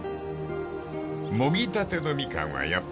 ［もぎたてのみかんはやっぱり最高］